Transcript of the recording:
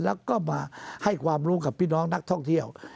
แล้วก็มาให้ความรู้กับพี่น้องนักท่องเที่ยว